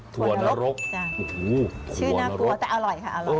ถั่วนรกชื่อน่ากลัวแต่อร่อยค่ะอร่อย